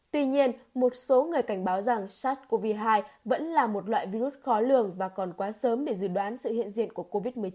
tuy nhiên một số người cảnh báo rằng sars cov hai vẫn là một loại virus khó lường và còn quá sớm để dự đoán sự hiện diện của covid một mươi chín